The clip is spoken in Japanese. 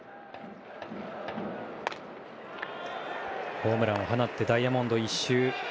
ホームランを放ってダイヤモンド１周。